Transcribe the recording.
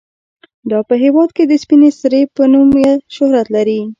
دا په هیواد کې د سپینې سرې په نوم شهرت لري.